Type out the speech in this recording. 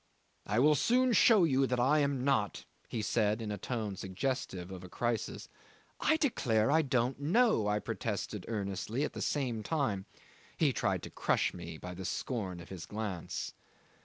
"I will soon show you I am not," he said, in a tone suggestive of a crisis. "I declare I don't know," I protested earnestly at the same time. He tried to crush me by the scorn of his glance.